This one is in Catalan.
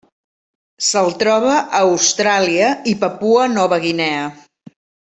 Se'l troba a Austràlia i Papua Nova Guinea.